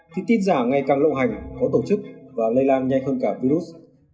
thì tin giả ngày càng lộ hành có tổ chức và lây lan nhanh hơn cả virus